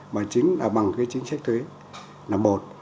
mà chính là bằng cái chính sách thuế là một